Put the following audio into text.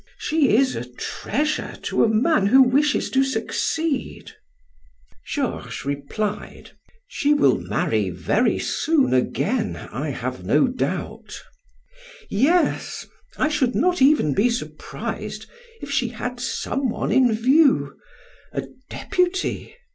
She is a treasure to a man who wishes to succeed." Georges replied: "She will marry very soon again, I have no doubt." "Yes! I should not even be surprised if she had some one in view a deputy!